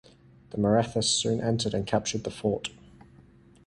The Marathas soon entered and captured the fort.